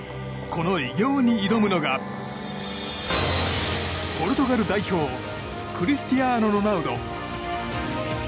この偉業に挑むのがポルトガル代表クリスティアーノ・ロナウド。